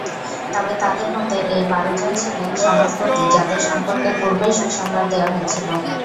তবে তাদের মতে, এই বারজন ছিলেন সমাজপতি যাদের সম্পর্কে পূর্বেই সুসংবাদ দেয়া হয়েছিল।